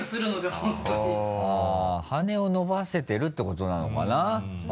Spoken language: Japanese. あっ羽を伸ばせてるってことなのかな？